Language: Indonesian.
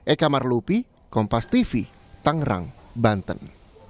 eka marlupi kompas tv tangerang banten